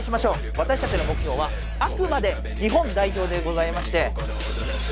わたしたちの目ひょうはあくまで日本代表でございまして。